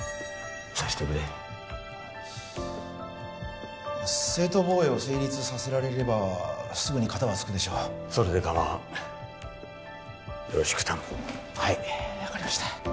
察してくれ正当防衛を成立させられればすぐにカタはつくでしょうそれでかまわんよろしく頼むはい分かりました